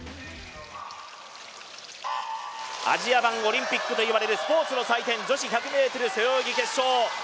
アジア版オリンピックといわれるスポーツの祭典女子１００ｍ背泳ぎ決勝。